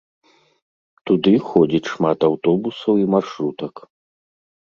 Туды ходзіць шмат аўтобусаў і маршрутак.